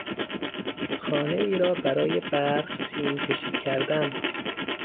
خانهای را برای برق سیمکشی کردن